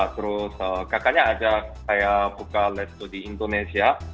terus kakaknya ajak saya buka resto di indonesia